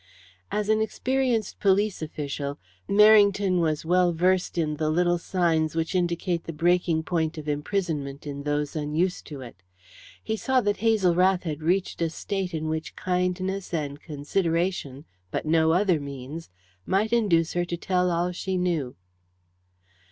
As an experienced police official, Merrington was well versed in the little signs which indicate the breaking point of imprisonment in those unused to it. He saw that Hazel Rath had reached a state in which kindness and consideration, but no other means, might induce her to tell all she knew.